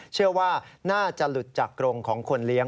เชื่อว่าน่าจะหลุดจากกรงของคนเลี้ยง